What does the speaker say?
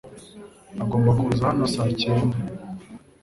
Agomba kuza hano saa cyenda. m.